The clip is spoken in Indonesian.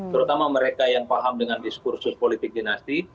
terutama mereka yang paham dengan diskursus politik dinasti